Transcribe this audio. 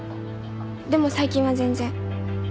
でも最近は全然。